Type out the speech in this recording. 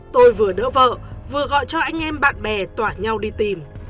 tôi vừa đỡ vợ vừa gọi cho anh em bạn bè tỏa nhau đi tìm